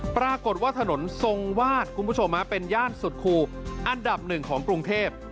ปรากฏว่าถนนทรงวาดคุณผู้ชมเป็นย่านสุดครูอันดับหนึ่งของกรุงเทพ